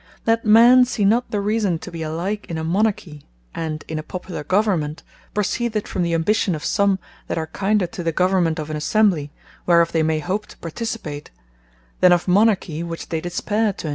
That men see not the reason to be alike in a Monarchy, and in a Popular Government, proceedeth from the ambition of some, that are kinder to the government of an Assembly, whereof they may hope to participate, than of Monarchy, which they despair to enjoy.